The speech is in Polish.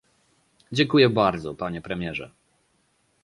Dziękują bardzo, panie premierze